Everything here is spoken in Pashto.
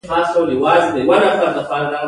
انسان نشي کولای په یوازیتوب سره تولید وکړي.